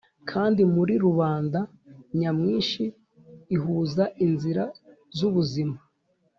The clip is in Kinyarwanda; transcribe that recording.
kandi muri rubanda nyamwinshi ihuza inzira z'ubuzima,